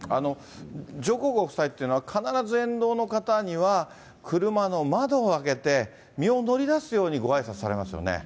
上皇ご夫妻というのは必ず沿道の方には、車の窓を開けて、身を乗り出すようにごあいさつされますよね。